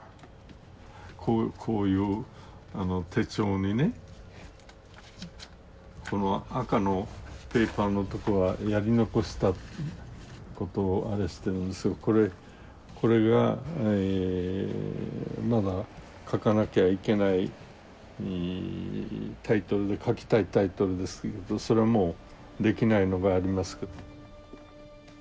こういう手帳にねこの赤のペーパーのとこはやり残したことをあれしてるんですがこれこれがまだ書かなきゃいけないタイトルで書きたいタイトルですけれどそれはもうできないのがありますけど。